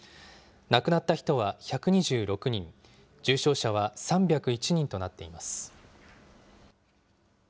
亡くなった人は１２６人、重症者は３０１人となっています。